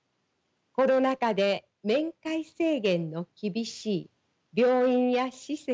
コロナ禍で面会制限の厳しい病院や施設。